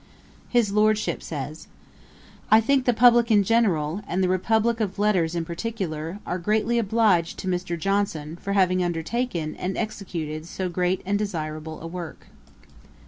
His Lordship says, 'I think the publick in general, and the republick of letters in particular, are greatly obliged to Mr. Johnson, for having undertaken, and executed, so great and desirable a work.